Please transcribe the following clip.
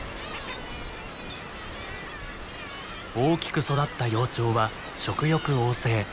大きく育った幼鳥は食欲旺盛。